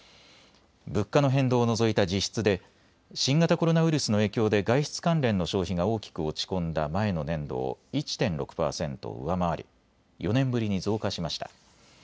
物価の変動を除いた実質で新型コロナウイルスの影響で外出関連の消費が大きく落ち込んだ前の年度を１．６％上回り、４年ぶりに増加しました。